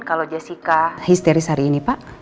kalau jessica histeris hari ini pak